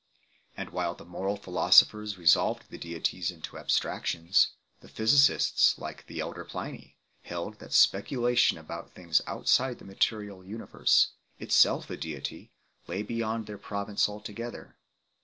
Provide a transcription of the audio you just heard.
And while the moral philo sophers resolved the deities into abstractions, the physicists, like the elder Pliny 3 , held that speculation about things outside the material universe, itself a deity, lay beyond their province altogether.